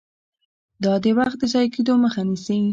دا د وخت د ضایع کیدو مخه نیسي.